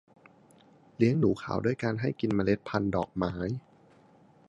เลี้ยงหนูขาวด้วยการให้กินเมล็ดพันธ์ดอกไม้